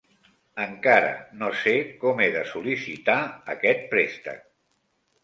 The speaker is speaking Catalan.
Encara no sé com he de sol·licitar aquest préstec.